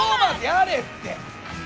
やれって！